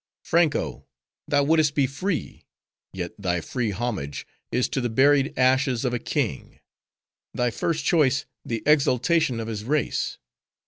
"Franko! thou wouldst be free; yet thy free homage is to the buried ashes of a King; thy first choice, the exaltation of his race.